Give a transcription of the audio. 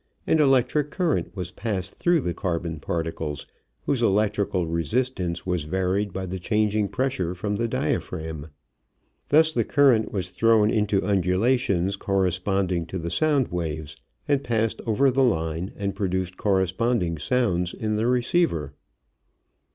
An electric current was passed through the carbon particles, whose electrical resistance was varied by the changing pressure from the diaphragm. Thus the current was thrown into undulations corresponding to the sound waves, and passed over the line and produced corresponding sounds in the receiver.